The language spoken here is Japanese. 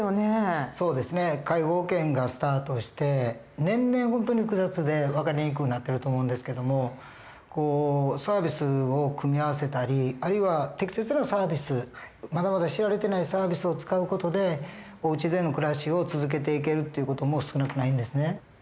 介護保険がスタートして年々本当に複雑で分かりにくうなってると思うんですけどもサービスを組み合わせたりあるいは適切なサービスまだまだ知られてないサービスを使う事でおうちでの暮らしを続けていけるっていう事も少なくないんですね。